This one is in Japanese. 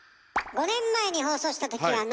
５年前に放送した時はあっ